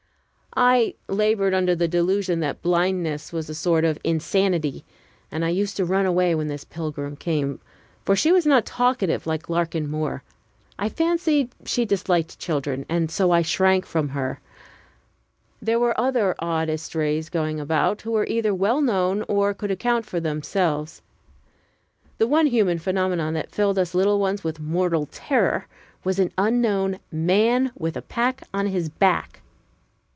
I labored under the delusion that blindness was a sort of insanity, and I used to run away when this pilgrim came, for she was not talkative like Larkin Moore. I fancied she disliked children, and so I shrank from her. There were other odd estrays going about, who were either well known, or could account for them selves. The one human phenomenon that filled us little ones with mortal terror was an unknown "man with a pack on his back."